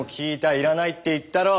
要らないって言ったろう。